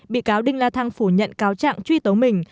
bị cáo đinh la thăng phủ nhận cáo trạng truy tố mình